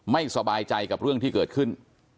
ไม่สบายใจกับเรื่องที่เกิดขึ้น